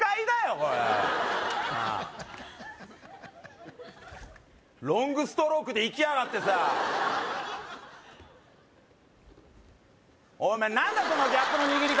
これなあロングストロークでいきやがってさおめえ何だそのギャップの握り方